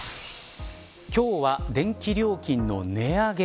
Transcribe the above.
今日は電気料金の値上げ